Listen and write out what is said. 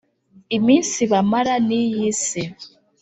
Iminsi bamara ni yisi